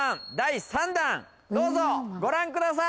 どうぞご覧ください！